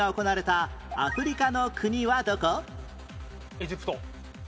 エジプト。